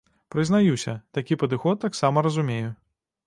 Прызнаюся, такі падыход таксама разумею.